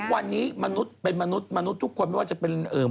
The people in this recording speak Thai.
วันนี้มนุษย์เป็นมนุษย์มนุษย์ทุกคนไม่ว่าจะเป็น